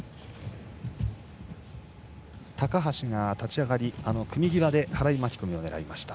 高橋が立ち上がり、組み際で払い巻き込みを狙いました。